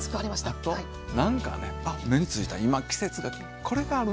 あと何かねあっ目についた今季節がこれがあるなって。